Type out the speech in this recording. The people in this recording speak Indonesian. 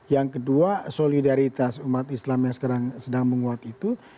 yang kedua solidaritas umat islam yang sekarang sedang menguat itu